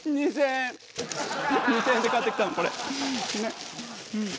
２，０００円で買ってきたのこれ。